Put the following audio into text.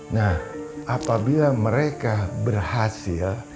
nah apabila mereka berhasil